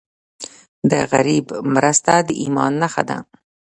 د غریب مرسته د ایمان نښه ده.